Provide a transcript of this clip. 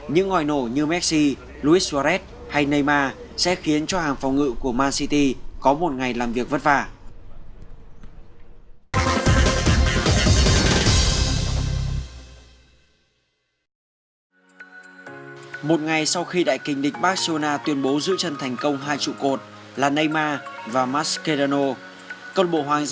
nhưng tôi tin tưởng các học trò của mình